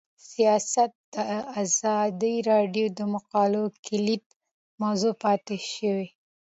سیاست د ازادي راډیو د مقالو کلیدي موضوع پاتې شوی.